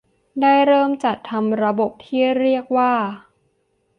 ได้เริ่มจัดทำระบบที่เรียกว่า